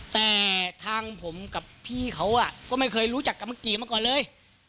แต่ทางผมกับพี่เขาก็ไม่เคยรู้จักกับเมื่อกี้มาก่อนเลย